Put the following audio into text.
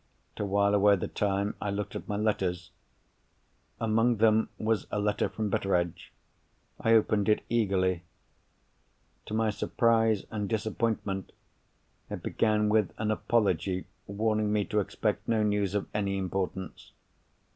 To while away the time, I looked at my letters. Among them was a letter from Betteredge. I opened it eagerly. To my surprise and disappointment, it began with an apology warning me to expect no news of any importance.